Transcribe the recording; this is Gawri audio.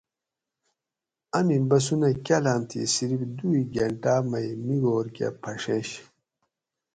امی بسونہ کالاۤم تھی صرف دُوئی گۤھنٹاۤ مئی مِگور کہ پھڛینش